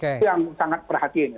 itu yang sangat perhatianya